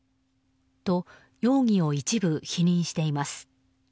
と、容疑を一部否認しています。